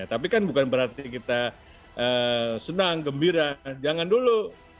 tapi kan bukan berarti kita senang gembira jangan dulu